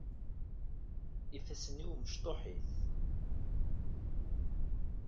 Ifassen-iw mecṭuḥit.